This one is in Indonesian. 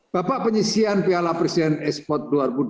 bapak penyisian piala presiden e sport dua ribu dua puluh satu